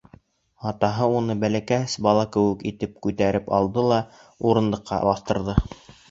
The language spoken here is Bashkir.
Атаһы уны бәләкәс бала кеүек итеп күтәреп алды ла урындыҡҡа баҫтырҙы.